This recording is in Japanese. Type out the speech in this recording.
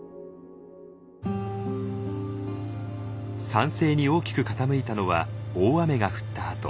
酸性に大きく傾いたのは大雨が降ったあと。